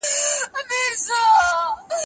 ازل دښمن دی د مظلومانو